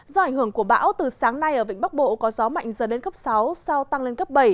do ảnh hưởng của bão từ sáng nay ở vịnh bắc bộ có gió mạnh dần lên cấp sáu sau tăng lên cấp bảy